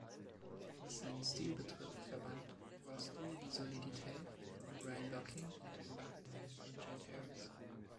Was seinen Stil betrifft, verband Rostill die Solidität von Brian Locking und die Gewagtheit von Jet Harris.